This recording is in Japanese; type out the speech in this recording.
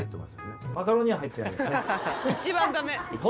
一番ダメ。